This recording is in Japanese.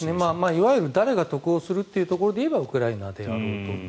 いわゆる誰が得をするかというところでいえばウクライナであると。